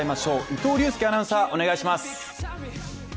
伊藤隆佑アナウンサー、お願いします。